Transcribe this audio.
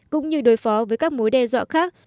cũng như đối phó với các mối đe dọa khác